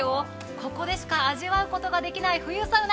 ここでしか味わうことができない冬サウナ。